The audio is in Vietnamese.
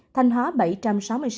thanh hóa một bảy trăm sáu mươi sáu ca